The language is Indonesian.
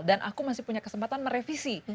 dan aku masih punya kesempatan merevisi